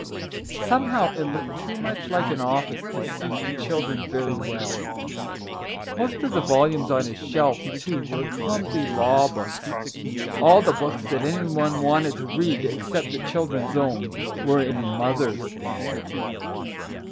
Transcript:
Somehow it looked too much like an office to suit the children very well. Most of the volumes on his shelves, too, were clumsy law books ; all the books that any one wanted to read, except the children's own, were in "mother's den."